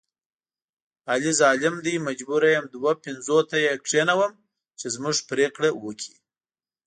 علي ظالم دی مجبوره یم دوه پنځوته یې کېنوم چې زموږ پرېکړه وکړي.